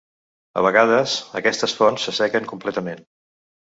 A vegades, aquestes fonts s'assequen completament.